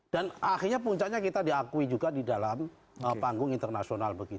dan akhirnya puncanya kita diakui juga di dalam panggung internasional begitu